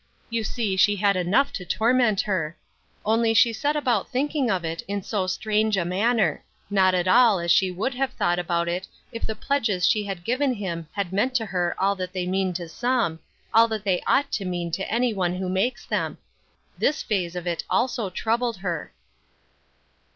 You see she had enough to torment her; only she set about thinking of it in so strange a manner; not at all as she would have thought about it if the pledges she had given him had meant to her all that they mean to some, all that they ought to mean to any one who makes them. This phase of it also troubled her.